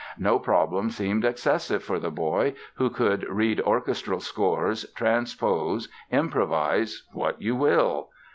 No problem seemed excessive for the boy, who could read orchestral scores, transpose, improvise—what you will.